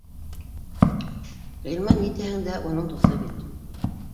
Ғилман, ни тиһәң дә, уның дуҫы бит